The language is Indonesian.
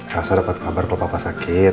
rasa dapat kabar kalau papa sakit